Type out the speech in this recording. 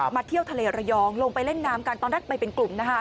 เที่ยวทะเลระยองลงไปเล่นน้ำกันตอนแรกไปเป็นกลุ่ม